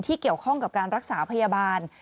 เกี่ยวข้องกับการรักษาพยาบาล